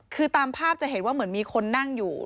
คือตามภาพจะเห็นว่าเหมือนมีคนนั่งอยู่